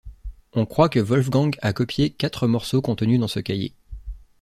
On croit que Wolfgang a copié quatre morceaux contenus dans ce cahier.